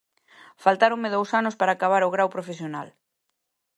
Faltáronme dous anos para acabar o grao profesional.